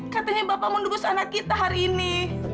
katanya bapak mendugus anak kita hari ini